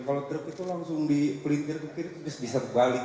kalau truk itu langsung di pelintir ke kiri terus bisa terbalik